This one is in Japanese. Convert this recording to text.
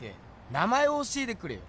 名前を教えてくれよ。